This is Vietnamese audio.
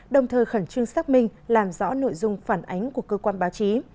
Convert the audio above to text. đồng thời khẩn trương xác minh làm rõ nội dung phản ánh của cơ quan báo chí